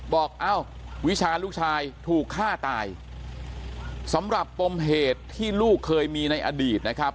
เอ้าวิชาลูกชายถูกฆ่าตายสำหรับปมเหตุที่ลูกเคยมีในอดีตนะครับ